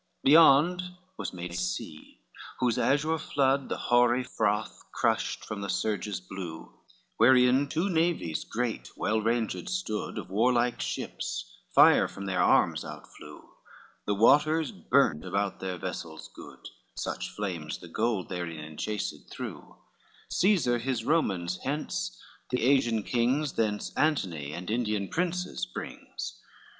IV Beyond was made a sea, whose azure flood The hoary froth crushed from the surges blue, Wherein two navies great well ranged stood Of warlike ships, fire from their arms outflew, The waters burned about their vessels good, Such flames the gold therein enchased threw, Caesar his Romans hence, the Asian kings Thence Antony and Indian princes brings.